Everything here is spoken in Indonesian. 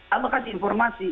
allah kasih informasi